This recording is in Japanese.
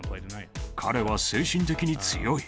彼は精神的に強い。